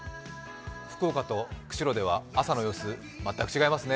福岡と釧路では朝の様子全く違いますね。